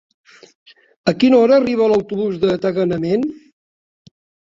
A quina hora arriba l'autobús de Tagamanent?